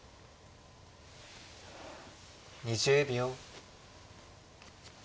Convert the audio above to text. ２０秒。